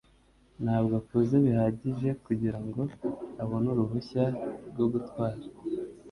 Ntabwo akuze bihagije kugirango abone uruhushya rwo gutwar